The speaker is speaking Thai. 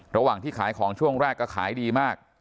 ระหว่างที่ขายของช่วงแรกก็ขายดีมาก